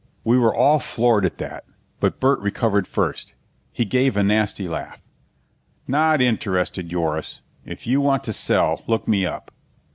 We were all floored at that, but Burt recovered first. He gave a nasty laugh. "Not interested, Yoris. If you want to sell, look me up."